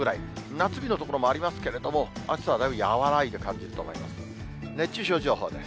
夏日の所もありますけれども、暑さはだいぶ和らいで感じると思います。